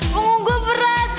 bungung gua berat